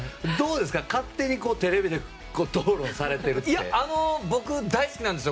勝手にテレビで討論されてるってどうですか？